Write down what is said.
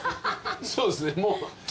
そうですね。